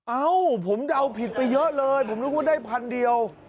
เอ้าผมเดาผิดไปเยอะเลยผมนึกว่าได้พันเดียว